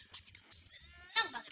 pasti kamu senang banget